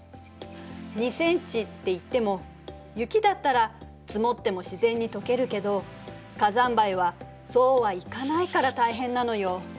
２ｃｍっていっても雪だったら積もっても自然にとけるけど火山灰はそうはいかないから大変なのよ。